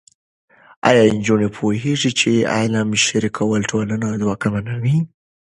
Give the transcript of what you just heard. ایا نجونې پوهېږي چې علم شریکول ټولنه ځواکمنوي؟